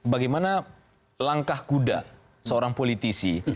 bagaimana langkah kuda seorang politisi